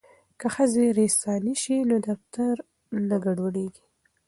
که ښځې ریسانې شي نو دفتر نه ګډوډیږي.